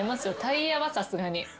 タイヤはさすがに。